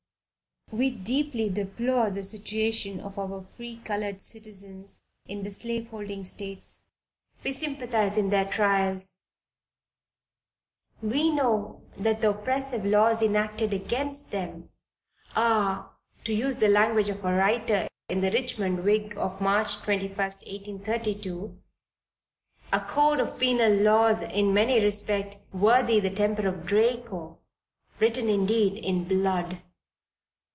_ We deeply deplore the situation of our free colored citizens in the slaveholding states, we sympathize in their trials, we know that the oppressive laws enacted against them are to use the language of a writer in the Richmond Whig of March 21, 1832, "A code of penal laws in many respects worthy the temper of Draco, written indeed in blood....